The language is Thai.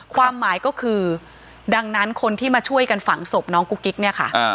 ความหมายก็คือดังนั้นคนที่มาช่วยกันฝังศพน้องกุ๊กกิ๊กเนี่ยค่ะ